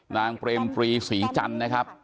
เปรมปรีศรีจันทร์นะครับ